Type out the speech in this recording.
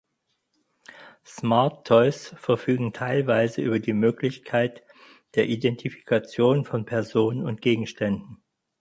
Smart Toys verfügen teilweise über die Möglichkeit der Identifikation von Personen und Gegenständen.